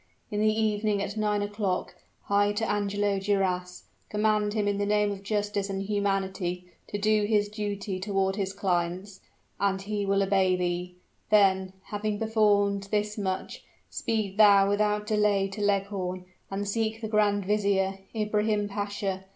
In the evening at nine o'clock, hie to Angelo Duras command him in the name of justice and humanity, to do his duty toward his clients and he will obey thee. Then, having performed this much, speed thou without delay to Leghorn, and seek the grand vizier, Ibrahim Pasha.